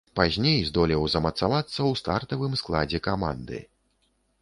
Пазней здолеў замацавацца ў стартавым складзе каманды.